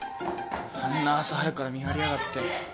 こんな朝早くから見張りやがって。